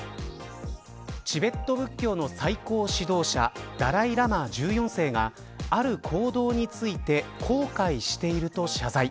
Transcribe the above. チベット仏教の最高指導者ダライ・ラマ１４世がある行動について後悔していると謝罪。